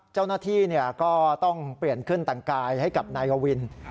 เจ้าหน้าที่ก็ต้องเปลี่ยนขึ้นแต่งกายให้กับนายกวิน